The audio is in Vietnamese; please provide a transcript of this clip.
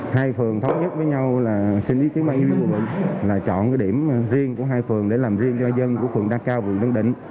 thì hai phường thống nhất với nhau là xin ý kiến ban nhân viên khu vực là chọn điểm riêng của hai phường để làm riêng cho dân của phường đa cao và tân định